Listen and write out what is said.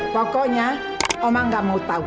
pokoknya omang gak mau tahu